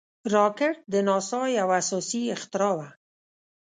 راکټ د ناسا یو اساسي اختراع وه